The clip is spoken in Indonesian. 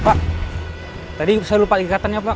pak tadi saya lupa ikatannya pak